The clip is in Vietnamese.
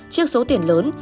trước số tiền lớn